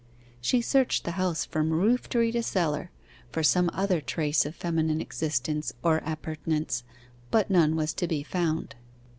She searched the house from roof tree to cellar, for some other trace of feminine existence or appurtenance; but none was to be found.